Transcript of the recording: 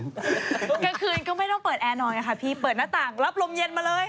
กลางคืนก็ไม่ต้องเปิดแอร์หน่อยค่ะพี่เปิดหน้าต่างรับลมเย็นมาเลย